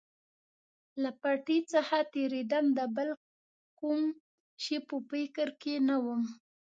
له پټۍ څخه تېرېدم، د بل کوم شي په فکر کې نه ووم.